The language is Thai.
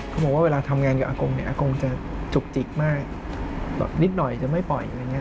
เขาบอกว่าเวลาทำงานกับอากงเนี่ยอากงจะจุกจิกมากแบบนิดหน่อยจะไม่ปล่อยอะไรอย่างนี้